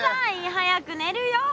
早くねるよ！